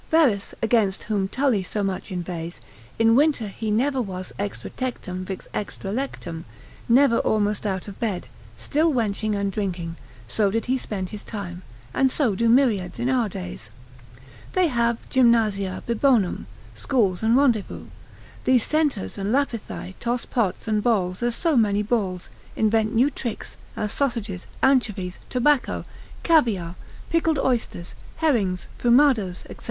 Verres, against whom Tully so much inveighs, in winter he never was extra tectum vix extra lectum, never almost out of bed, still wenching and drinking; so did he spend his time, and so do myriads in our days. They have gymnasia bibonum, schools and rendezvous; these centaurs and Lapithae toss pots and bowls as so many balls; invent new tricks, as sausages, anchovies, tobacco, caviar, pickled oysters, herrings, fumados, &c.